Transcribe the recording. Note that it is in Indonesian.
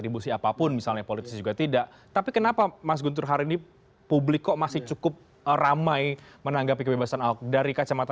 mungkin beliau akan menangkap itu